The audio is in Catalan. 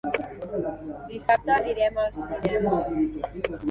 Dissabte anirem al cinema.